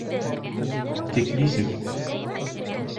Тик нисек?